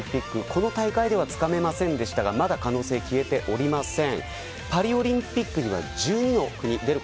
この大会ではつかめませんでしたがまだ可能性は消えておりません。